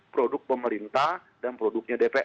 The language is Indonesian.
produk pemerintah dan produknya dpr